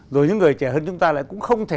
rồi những người trẻ hơn chúng ta lại cũng không thể